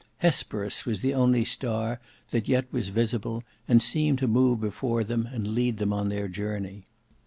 Hesperus was the only star that yet was visible, and seemed to move before them and lead them on their journey.